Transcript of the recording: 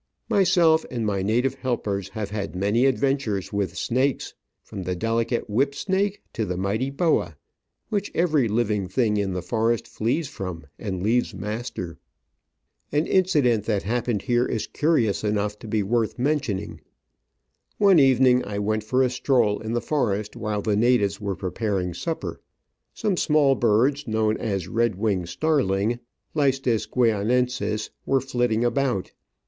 Myself and my native helpers have had many adventures with snakes, from the delicate whip snake to the mighty boa, which every livkig thi ng in the forest flees from and leaves master. An incident that happened here is curious enough to be worth mentioning. One evening I went for a stroll in the Digitized by VjOOQIC OF AN Orchid Hunter. 195 forest while the natives were preparing, supper ; some small birds known as the Red winged Starling (Leistes Guianensis) were flitting about.